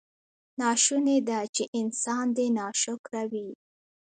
ناشونې ده چې انسان دې ناشکره وي.